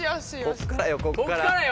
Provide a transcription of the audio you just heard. こっからよこっから。